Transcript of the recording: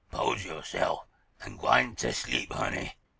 'Pose yo'se'f and gwine ter sleep, honey.